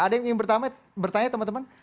ada yang ingin bertanya teman teman